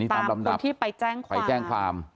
ตามคนที่ไปแจ้งความ